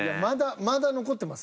まだ残ってます。